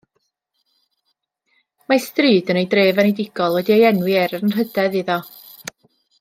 Mae stryd yn ei dref enedigol wedi ei enwi er anrhydedd iddo.